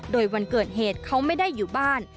โดยวันเกิดเหตุเขาไม่ได้อยู่บ้าน